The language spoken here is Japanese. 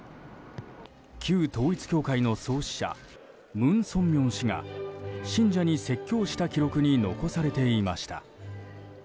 旧統一教会の創始者・文鮮明氏が信者に説教した記録に残されていました。